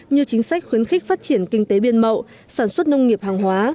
như chính sách khuyến khích phát triển kinh tế biên mậu sản xuất nông nghiệp hàng hóa